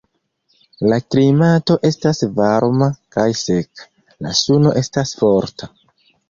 La klimato estas varma kaj seka; la suno estas forta.